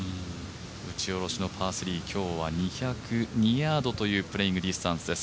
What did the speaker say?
打ち下ろしのパー３今日は２０２ヤードというプレーイング・ディスタンスです。